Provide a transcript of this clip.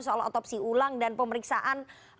soal otopsi ulang dan pemeriksaan